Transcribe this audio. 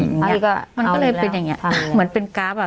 อย่างเงี้ยอันนี้ก็มันก็เลยเป็นอย่างเงี้ยเหมือนเป็นกราฟอ่ะ